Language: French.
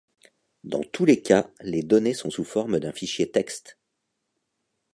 Dans tous les cas, les données sont sous forme d'un fichier texte.